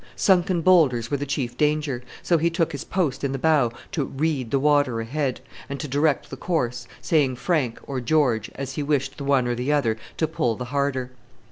Sunken boulders were the chief danger, so he took his post in the bow to "read" the water ahead, and to direct the course, saying "Frank" or "George" as he wished the one or the other to pull the harder.